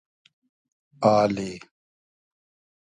آلی